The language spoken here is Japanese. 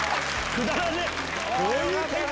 くだらねえ！